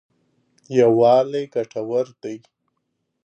یوالی ګټور دی.